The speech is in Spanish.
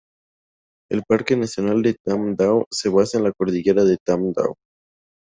El parque nacional de Tam Dao se basa en la cordillera de Tam Dao.